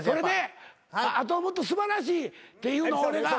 あともっと素晴らしいっていうの俺が加賀に。